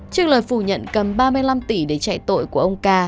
trước lời phủ nhận cầm ba mươi năm tỷ để chạy tội của ông ca